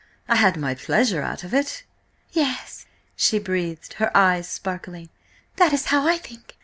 I had my pleasure out of it." "Yes!" she breathed, her eyes sparkling. "That is how I think!